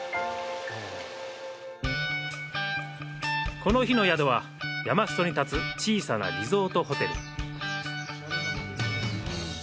この日の宿は、山すそに建つ小さなリゾートホテル。